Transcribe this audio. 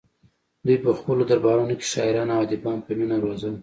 دوی په خپلو دربارونو کې شاعران او ادیبان په مینه روزل